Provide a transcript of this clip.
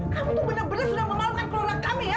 kamu tuh bener bener sudah memalukan keluarga kami ya